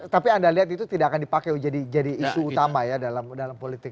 tapi anda lihat itu tidak akan dipakai jadi isu utama ya dalam politik dua ribu sembilan belas